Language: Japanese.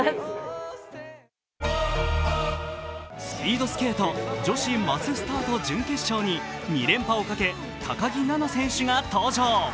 スピードスケート女子マススタート準決勝に２連覇をかけ高木菜那選手が登場。